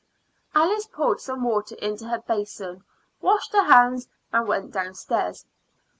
Alice poured some water into her basin, washed her hands, and went downstairs.